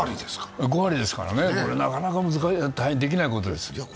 ５割ですからね、これはなかなか難しい、できないことです。